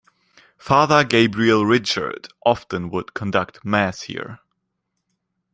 Father Gabriel Richard often would conduct Mass here.